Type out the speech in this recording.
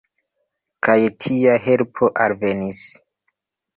Kaj tia helpo alvenis.